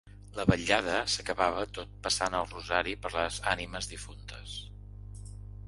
La vetllada s’acabava tot passant el rosari per les ànimes difuntes.